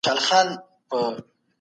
استازي په غونډه کي چیرته کښېني؟